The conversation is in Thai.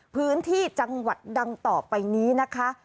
พื้นที่จังหวัดดังต่อไปนี้นะคะ